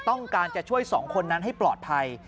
ต้องการจะช่วยสองคนนั้นให้ปลอดภัย